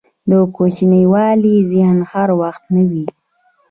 دکوچنیوالي ذهن هر وخت نه وي.